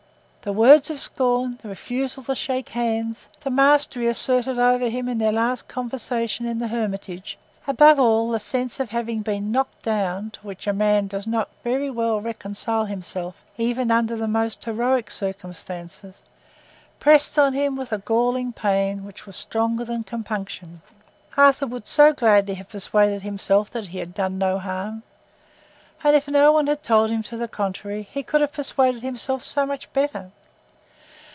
The words of scorn, the refusal to shake hands, the mastery asserted over him in their last conversation in the Hermitage—above all, the sense of having been knocked down, to which a man does not very well reconcile himself, even under the most heroic circumstances—pressed on him with a galling pain which was stronger than compunction. Arthur would so gladly have persuaded himself that he had done no harm! And if no one had told him the contrary, he could have persuaded himself so much better.